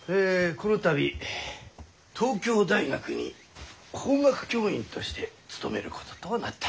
この度東京大学に法学教員として勤めることとなった。